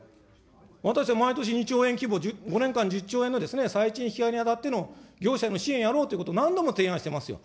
私は毎年２兆円規模、５年間１０兆円の最賃引き上げにあたっての業者への支援やろうということを何度も提案してますよ。